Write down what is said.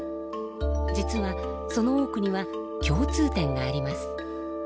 実はその多くには共通点があります。